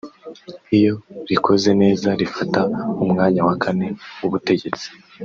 iyo rikoze neza rifata umwanya wa kane w’ubutegetsi